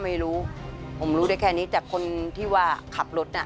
ทำไมเราต้องเป็นแบบเสียเงินอะไรขนาดนี้เวรกรรมอะไรนักหนา